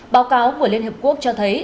báo cáo của liên hiệp quốc cho thấy